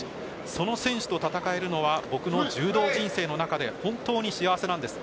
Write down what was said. その選手と戦えるのは僕の柔道人生の中で本当に幸せなんです。